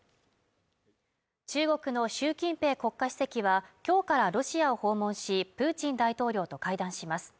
中国の習近平国家主席は今日からロシアを訪問し、プーチン大統領と会談します。